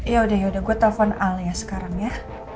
yaudah yaudah gue telfon alde ya sekarang ya